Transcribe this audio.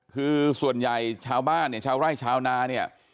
คือส่วนใหญ่ชาวบ้านเนี่ยชาวไร่ชาวนาเนี่ย